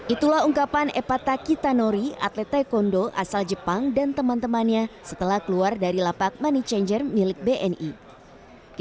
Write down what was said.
itulah ungkapan epataki tanori atlet taekwondo asal jepang dan teman temannya setelah keluar dari lapak money changer milik bni